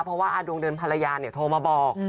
เพราะว่าอาดวงเดือนภรรยาโทรมาบอก